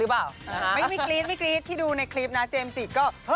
มั้ยกรี๊ดที่ดูในคลิปนะเจมส์จี